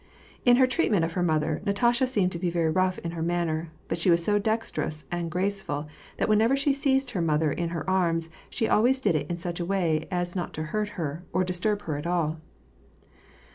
In her treatment of her mother, Natasha seemed to be very rough in her manner, but she was so dex terous and graceful, that whenever she seized her mother in her arms, she always did it in such a way as not to hurt her, or disturb her at all.